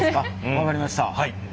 分かりました。